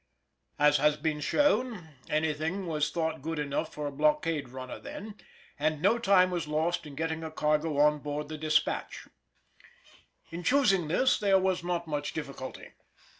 As has been shown, anything was thought good enough for a blockade runner then, and no time was lost in getting a cargo on board the Despatch. In choosing this there was not much difficulty.